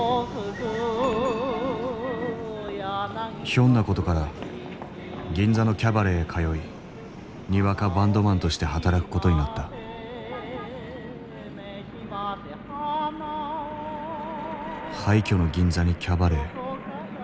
ひょんな事から銀座のキャバレーへ通いにわかバンドマンとして働く事になった廃虚の銀座にキャバレー？